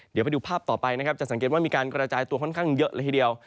เดี๋ยวไปดูภาพต่อไปนะครับจะสังเกตว่ามีการกระจายตัวค่อนข้างเยอะเลยทีเดียว